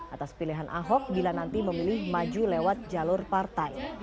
atas pilihan ahok bila nanti memilih maju lewat jalur partai